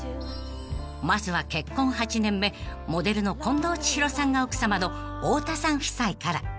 ［まずは結婚８年目モデルの近藤千尋さんが奥さまの太田さん夫妻から］